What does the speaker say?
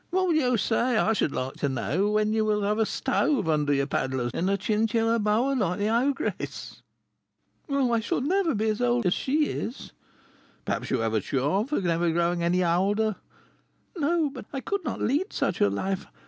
What will you say, I should like to know, when you will have a stove under your 'paddlers,' and a chinchilla boa, like the ogress?" "Oh, I shall never be so old as she is." "Perhaps you have a charm for never growing any older?" "No; but I could not lead such a life.